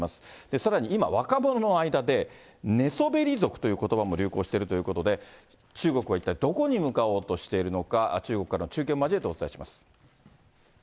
さらに今、若者の間で、寝そべり族ということばも流行しているということで、中国は一体どこに向かおうとしているのか、中国からの中継を交えてお伝えします。